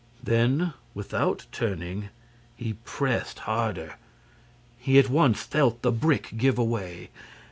Then, without turning, he pressed harder. He at once felt the brick give way.